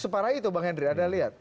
separah itu bang hendry ada lihat